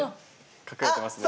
隠れてますね。